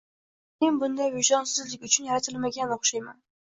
Lekin men bunday vijdonsizlik uchun yaratilmagan o’xshayman”.